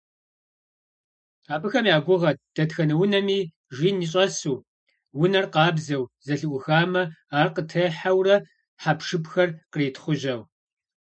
Абыхэм я гугъэт дэтхэнэ унэми жин щӀэсу, унэр къабзэу зэлъыӀумыхамэ, ар къытехьэурэ хьэпшыпхэр къритхъужьэу.